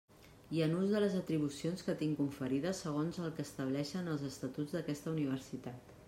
I en ús de les atribucions que tinc conferides segons els que estableixen els Estatus d'aquesta Universitat.